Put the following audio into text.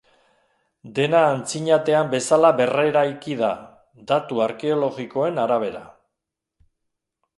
Dena antzinatean bezala berreraiki da, datu arkeologikoen arabera.